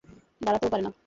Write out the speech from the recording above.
দাঁড়াতেও পারে না।